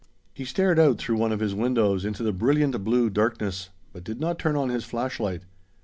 He stared out through one of his windows into the brilliant blue darkness, but did not turn on his flashlight.